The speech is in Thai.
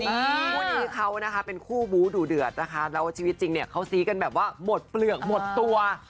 วันนี้เขานะคะเป็นคู่บู้ดูเดือดนะคะแล้วชีวิตจริงเนี่ยเขาซี้กันแบบว่าหมดเปลือกหมดตัว